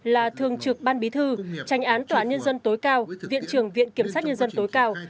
là thường trực ban bí thư tranh án tòa án nhân dân tối cao viện trưởng viện kiểm sát nhân dân tối cao